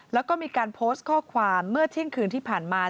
แล้วก็มีการโพสต์ข้อความเมื่อเที่ยงคืนที่ผ่านมา